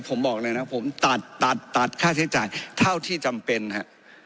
ผมบอกเลยนะผมตัดตัดตัดค่าใช้จ่ายเท่าที่จำเป็นฮะ